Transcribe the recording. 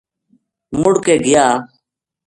مڑ کے گیا